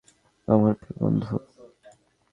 আমার প্রিয় বন্ধু!